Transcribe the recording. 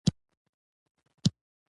او پر دیر یې داسې حمله وکړه.